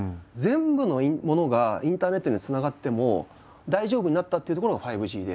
全部のものがインターネットにつながっても大丈夫になったっていうところが５Ｇで。